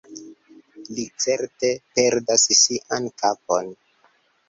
Li certe perdas sian kapon.